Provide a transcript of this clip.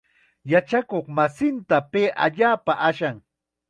Yachakuqmasinta pay allaapam ashan.